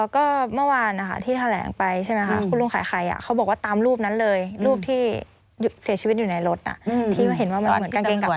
ก็เมื่อวานที่แถลงไปใช่ไหมคะคุณลุงขายไข่เขาบอกว่าตามรูปนั้นเลยรูปที่เสียชีวิตอยู่ในรถที่เห็นว่ามันเหมือนกางเกงกลับ